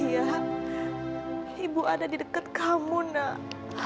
lihat ibu ada di dekat kamu nak